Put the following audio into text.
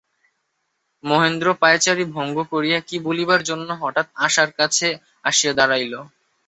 মহেন্দ্র পায়চারি ভঙ্গ করিয়া কী বলিবার জন্য হঠাৎ আশার কাছে আসিয়া দাঁড়াইল।